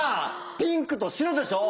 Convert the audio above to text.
ピンクと白でしょう！